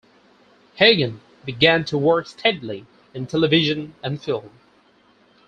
Hagen began to work steadily in television and film.